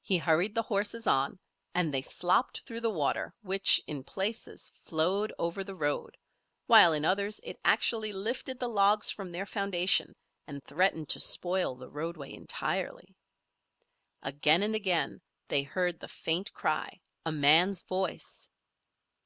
He hurried the horses on, and they slopped through the water which, in places, flowed over the road, while in others it actually lifted the logs from their foundation and threatened to spoil the roadway entirely. Again and again they heard the faint cry, a man's voice.